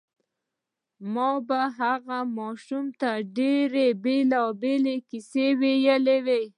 ما به هغه ماشوم ته ډېرې بېلابېلې کیسې ویلې